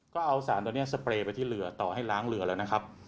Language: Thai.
ก็เอาสารตัวนี้สเปรย์ไปที่เรือต่อให้ล้างเรือแล้วนะครับ